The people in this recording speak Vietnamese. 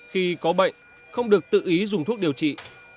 khi có bệnh không được tự ý dùng thuốc điều trị